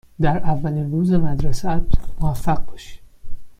در اولین روز مدرسه ات موفق باشی.